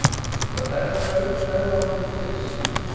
But that reproach no longer exists.